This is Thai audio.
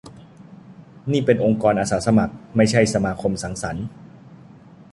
นี่เป็นองค์กรอาสาสมัคร ไม่ใช่สมาคมสังสรรค์